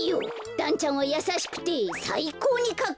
だんちゃんはやさしくてさいこうにかっこいいよ。